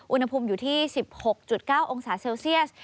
อุณหภูมิอยู่ที่๑๖๙องศาเซลเซียส